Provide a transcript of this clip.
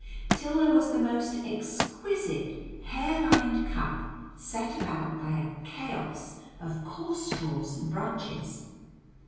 till there was the most exquisite hair lined cup set about by a chaos of coarse straws and branches.